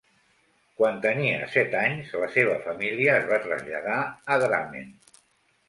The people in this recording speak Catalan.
Quan tenia set anys, la seva família es va traslladar a Drammen.